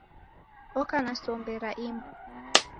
Oka na sombe ra imbu.